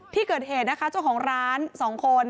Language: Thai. ที่เกิดเหตุนะคะเจ้าของร้าน๒คน